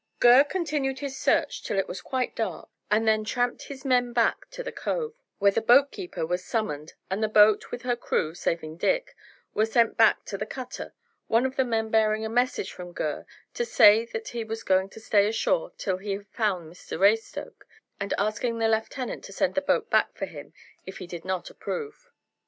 Gurr continued his search till it was quite dark, and then tramped his men back to the cove, where the boat keeper was summoned, and the boat with her crew, saving Dick, were sent back to the cutter, one of the men bearing a message from Gurr to say that he was going to stay ashore till he had found Mr Raystoke, and asking the lieutenant to send the boat back for him if he did not approve.